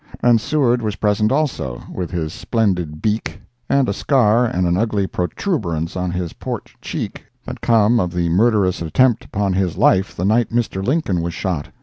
And Seward was present also, with his splendid beak, and a scar and an ugly protuberance on his port cheek that come of the murderous attempt upon his life the night Mr. Lincoln was shot.